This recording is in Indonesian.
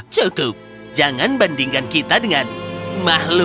cukup jangan bandingkan kita dengan mahluk